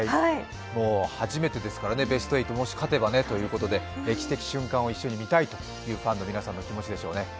初めてですからね、ベスト８もし勝てばねということで歴史的瞬間をぜひ見たいというファンの皆さんの気持ちでしょうね。